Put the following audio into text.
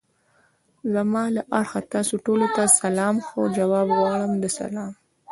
زما له اړخه تاسو ټولو ته سلام خو! جواب غواړم د سلام.